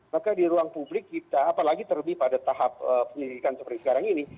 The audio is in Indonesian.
maka di ruang publik kita apalagi terlebih pada tahap penyelidikan seperti sekarang ini